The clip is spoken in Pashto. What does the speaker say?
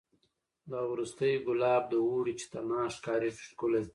دا وروستی ګلاب د اوړي چي تنها ښکاریږي ښکلی